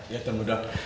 ya tuan udah